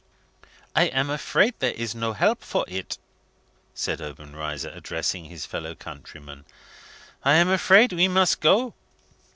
"I am afraid there is no help for it?" said Obenreizer, addressing his fellow countryman. "I am afraid we must go."